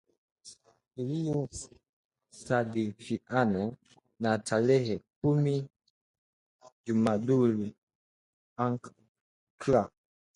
ILIYO SADIFIANA NA TAREHE KUMI JAMADUL AKHIRA